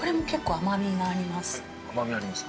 甘みありますか？